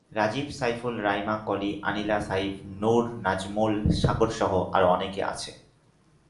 রাজিব, সাইফুল, রাইমা, কলি, আনিলা, সাইফ, নূর, নাজমুল, সাগরসহ আরও অনেকে।